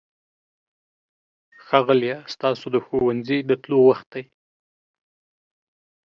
ښاغلیه! ستاسو د ښوونځي د تلو وخت دی.